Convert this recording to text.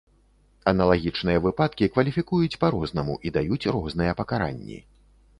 Аналагічныя выпадкі кваліфікуюць па-рознаму і даюць розныя пакаранні.